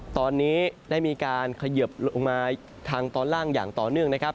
ตอนนี้ได้มีการเขยิบลงมาทางตอนล่างอย่างต่อเนื่องนะครับ